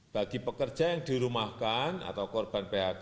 bagi pekerja yang dirumahkan atau korban phk